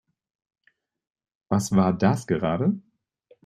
Was war das gerade?